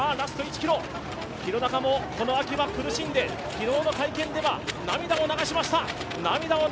廣中もこの秋は苦しんで昨日の会見では涙を流しました。